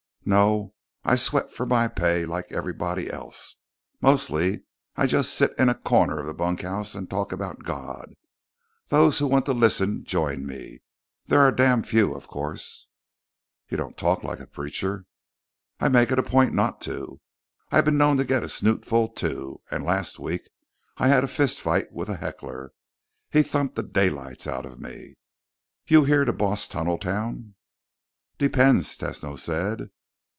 "No. I sweat for my pay like everybody else. Mostly I just sit in a corner of the bunkhouse and talk about God. Those who want to listen join me. There are damn few, of course." "You don't talk like a preacher." "I make it a point not to. I've been known to get a snootful, too, and last week, I had a fist fight with a heckler. He thumped the daylights out of me. You here to boss Tunneltown?" "Depends," Tesno said.